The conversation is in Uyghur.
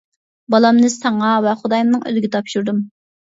بالامنى ساڭا ۋە خۇدايىمنىڭ ئۆزىگە تاپشۇردۇم.